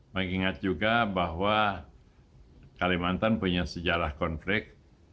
mengingat juga bahwa kalimantan punya sejarah konflik